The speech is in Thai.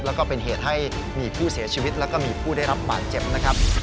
แล้วก็เป็นเหตุให้มีผู้เสียชีวิตแล้วก็มีผู้ได้รับบาดเจ็บนะครับ